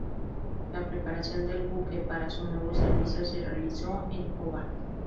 La preparación del buque para su nuevo servicio se realizó en Hobart.